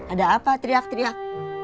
ada apa teriak teriak